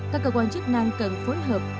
các cơ quan chức năng cần phối hợp